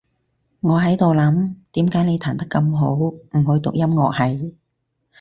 我喺度諗，點解你彈得咁好，唔去讀音樂系？